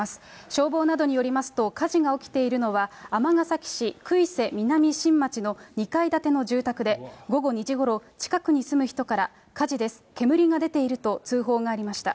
消防などによりますと、火事が起きているのは、尼崎市くいせみなみしん町の２階建ての住宅で、午後２時ごろ、近くに住む人から、火事です、煙が出ていると通報がありました。